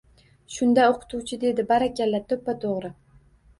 Shunda o‘qituvchi dedi: – Barakalla! To‘ppa-to‘g‘ri!